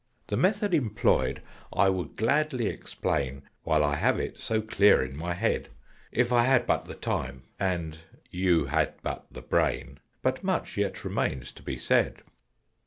"The method employed I would gladly explain, While I have it so clear in my head, If I had but the time and you had but the brain But much yet remains to be said.